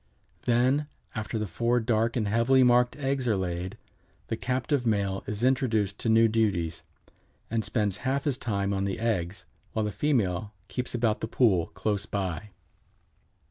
Then after the four dark and heavily marked eggs are laid the "captive male is introduced to new duties, and spends half his time on the eggs, while the female keeps about the pool close by."